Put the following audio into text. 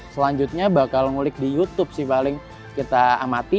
selanjutnya bakal ngulik di youtube sih paling kita amati